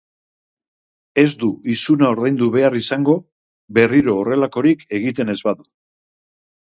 Ez du isuna ordaindu behar izango, berriro horrelakorik egiten ez badu.